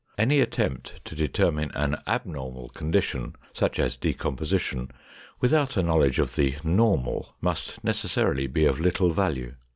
Any attempt to determine an abnormal condition, such as decomposition, without a knowledge of the normal, must necessarily be of little value.